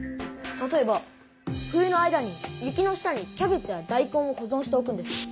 例えば冬の間に雪の下にキャベツやだいこんをほぞんしておくんです。